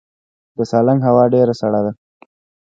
د سالنګ هوا ډیره سړه ده